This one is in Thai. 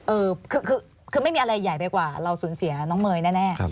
เออคือไม่มีอะไรใหญ่ไปกว่าเราสูญเสียน้องเมย์แน่